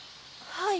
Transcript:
はい。